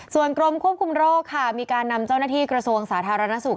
ส่วนกรมควบคุมโรคค่ะมีการนำเจ้าหน้าที่กระทรวงสาธารณสุข